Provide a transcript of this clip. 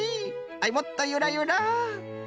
はいもっとゆらゆら。